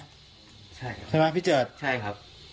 ใช่ครับใช่ไหมพี่เจิดใช่ครับ